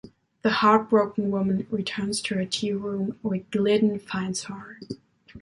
The heartbroken woman returns to her tea room, where Glidden finds her.